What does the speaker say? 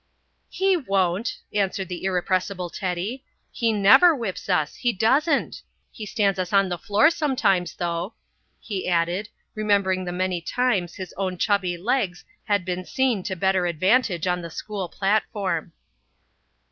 "He won't," answered the irrepressible Teddy. "He never whips us, he doesn't. He stands us on the floor sometimes, though," he added, remembering the many times his own chubby legs had been seen to better advantage on the school platform.